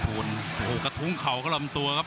โอ้โหกระทุ้งเข่าเข้าลำตัวครับ